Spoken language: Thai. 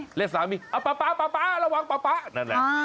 เรียกสามีป๊าระวังป๊านั่นแหละ